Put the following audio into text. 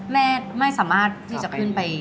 แม่ไม่สามารถที่จะขึ้นไป